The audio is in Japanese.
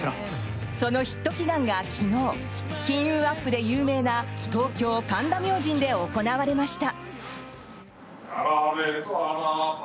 そのヒット祈願が昨日金運アップで有名な東京・神田明神で行われました。